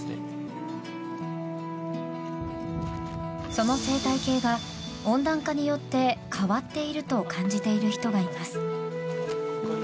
その生態系が温暖化によって変わっていると感じている人がいます。